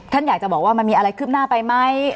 ท่านอยากจะบอกว่ามันมีอะไรคืบหน้าไปไหม